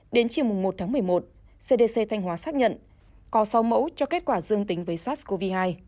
đến chiều một một mươi một cdc thanh hóa xác nhận có sáu mẫu cho kết quả dương tính với sars cov hai